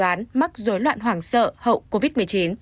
bác sĩ chẩn đoán mắc rối loạn hoảng sợ hậu covid một mươi chín